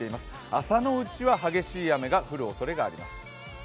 朝のうちは激しい雨が降るおそれがあります。